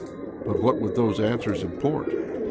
But what would those answers import?